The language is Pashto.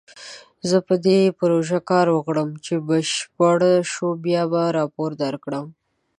زه به په دې پروژه کار وکړم، چې بشپړ شو بیا به راپور درکړم